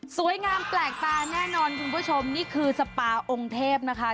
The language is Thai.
แปลกตาแน่นอนคุณผู้ชมนี่คือสปาองค์เทพนะคะ